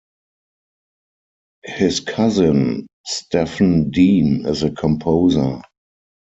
His cousin Stephen Dean is a composer.